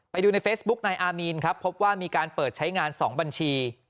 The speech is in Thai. ไปดูในเฟซบุ๊กนายอามีนครับพบว่ามีการเปิดใช้งาน๒บัญชี